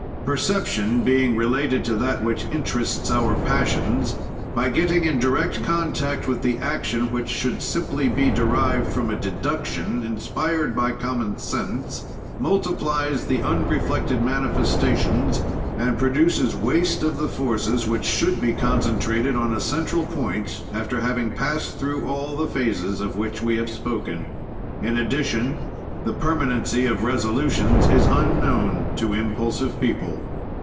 Perception, being related to that which interests our passions, by getting in direct contact with the action which should simply be derived from a deduction, inspired by common sense, multiplies the unreflected manifestations and produces waste of the forces, which should be concentrated on a central point, after having passed through all the phases of which we have spoken. In addition, the permanency of resolutions is unknown to impulsive people.